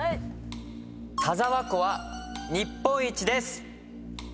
田沢湖は日本一です。